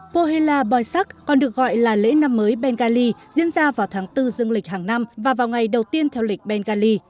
pohela bhoisak còn được gọi là lễ năm mới bengali diễn ra vào tháng bốn dương lịch hàng năm và vào ngày đầu tiên theo lịch bengali